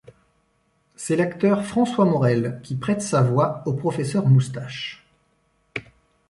C'est l'acteur François Morel qui prête sa voix au professeur Moustache.